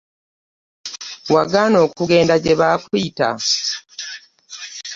Wagaana okugenda gye baakuyita.